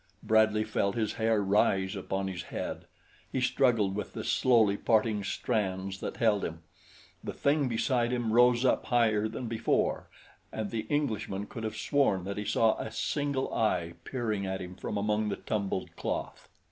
Bradley felt his hair rise upon his head. He struggled with the slowly parting strands that held him. The thing beside him rose up higher than before and the Englishman could have sworn that he saw a single eye peering at him from among the tumbled cloth.